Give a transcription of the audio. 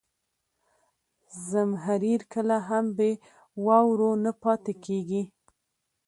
زمهریر کله هم بې واورو نه پاتې کېږي.